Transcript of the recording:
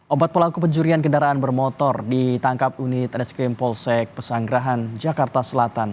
empat pelaku pencurian kendaraan bermotor ditangkap unit reskrim polsek pesanggerahan jakarta selatan